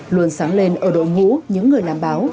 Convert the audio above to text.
luôn sáng lên ở đội ngũ những người làm báo